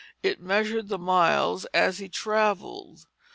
It measured the miles as he travelled.